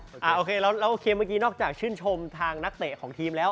ตกเบื่อกี้มาจากชื่นชมทางนักเตะของทีมแล้ว